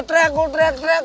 teriak teriak teriak